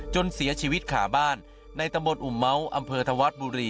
จนเสียชีวิตขาบ้านในตะบดอุ๋มเมาอำเภอธวัสบุรี